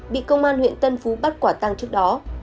bị công an huyện tân phú bắt quả tăng trước đó